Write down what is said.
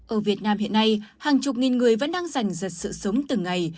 ở việt nam hiện nay hàng chục nghìn người vẫn đang giành giật sự sống từng ngày